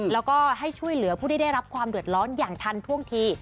แล้วก็ให้ช่วยเหลือผู้ที่ได้รับความเดือดร้อนอย่างทันท่วงที